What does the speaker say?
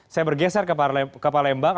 saya bergeser ke palembang